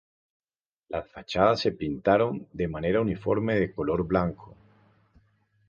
Las fachadas se pintaron de manera uniforme de color blanco.